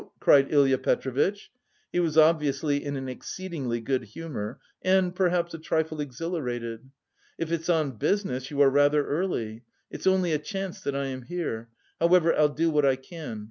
cried Ilya Petrovitch. He was obviously in an exceedingly good humour and perhaps a trifle exhilarated. "If it's on business you are rather early.[*] It's only a chance that I am here... however I'll do what I can.